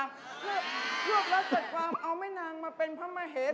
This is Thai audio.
เพื่อรวบรักจากความเอาแม่น้องมาเป็นภรรมเหตุ